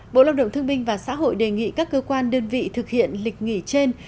bộ lao động thương minh và xã hội đề nghị các cơ quan đơn vị thực hiện lịch nghỉ trên